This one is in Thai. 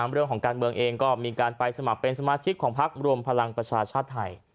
เรื่องของการเมืองเองก็มีการไปสมัครเป็นสมาชิกของพักรวมพลังประชาชาติไทย